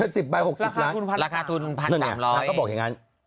สิบใบ๖๐ล้านพันเท่าไหร่ครับคุณแม่ราคาทุน๑๓๐๐บาท